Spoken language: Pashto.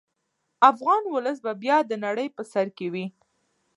افغان ولس به بیا د نړۍ په سر کې وي.